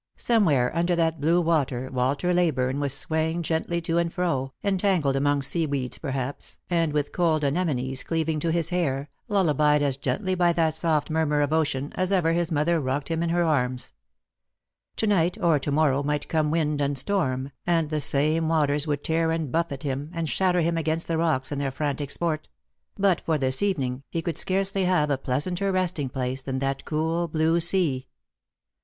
Some where under that blue water Walter Leyburne was swaying gently to and fro, entangled among sea weeds perhaps, and with cold anemones cleaving to his hair, lullabied as gently by that soft murmur of ocean as ever his mother rocked him in her arms. To night or to morrow might come wind and storm, and the same waters would tear and buffet him, and shatter him against the rocks in their frantic sport ; but for this evening, he could scarcely have a pleasanter resting place than that cool blue sea.